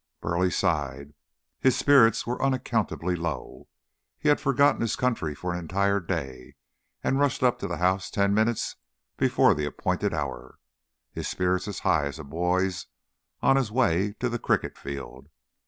Burleigh sighed. His spirits were unaccountably low. He had forgotten his country for an entire day, and rushed up to the house ten minutes before the appointed hour, his spirits as high as a boy's on his way to the cricket field.